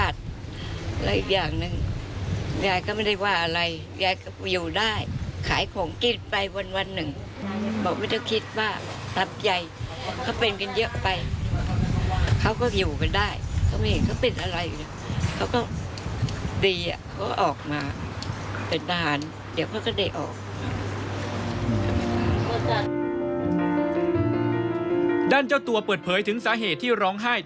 ด้านเจ้าตัวเปิดเผยถึงสาเหตุที่ร้องไห้